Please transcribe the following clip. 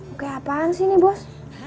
oke apaan sih ini bos